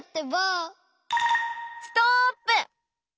ストップ！